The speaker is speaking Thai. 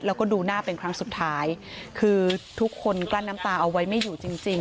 แล้วก็ดูหน้าเป็นครั้งสุดท้ายคือทุกคนกลั้นน้ำตาเอาไว้ไม่อยู่จริงจริง